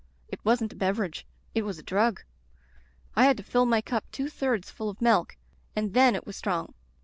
It wasn't a beverage; it was a drug. I had to fill my cup two thirds full of milk and then it was strong.